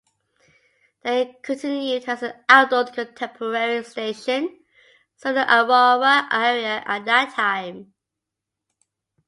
They continued as an adult contemporary station, serving the Aurora area at that time.